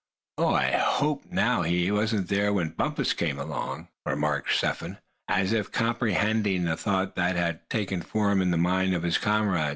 "Oh! my, I hope now he wasn't there when Bumpus came along," remarked Step Hen, as if comprehending the thought that had taken form in the mind of his comrade.